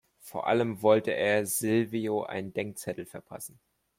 Vor allem wollte er Silvio einen Denkzettel verpassen.